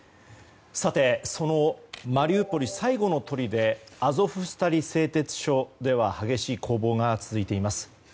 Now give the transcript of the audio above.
マリウポリ最後のとりでアゾフスタリ製鉄所では激しい攻防が続いています。